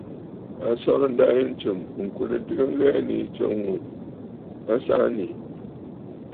A sɔrə̀ ǹdâ yì ntsɨ̀m ŋ̀kwerə ntɨgə ŋghɛɛ nii tso ŋù a saa nii.